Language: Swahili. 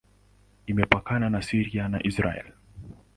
Imepakana na Syria na Israel.